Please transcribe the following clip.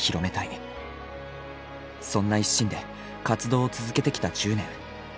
そんな一心で活動を続けてきた１０年。